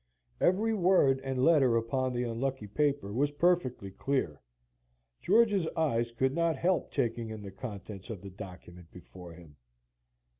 Every word and letter upon the unlucky paper was perfectly clear. George's eyes could not help taking in the contents of the document before him.